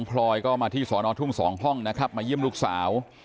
พลอยก็มาที่สอนอทุ่ง๒ห้องนะครับมาเยี่ยมลูกสาว